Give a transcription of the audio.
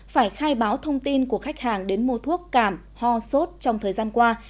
phải khai báo thông tin của khách hàng đến mua thuốc cảm ho sốt trong thời gian qua